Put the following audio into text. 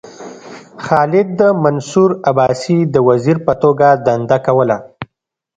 خالد د منصور عباسي د وزیر په توګه دنده کوله.